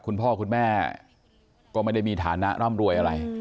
คุณพ่อคุณแม่ก็ไม่ได้มีฐานะร่ำรวยอะไร